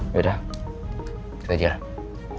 yaudah kita jalan